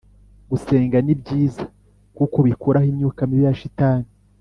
gusenga ni byiza kuko bikuraho imyuka mibi ya shitani